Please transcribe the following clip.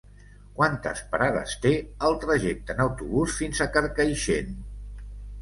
Quantes parades té el trajecte en autobús fins a Carcaixent?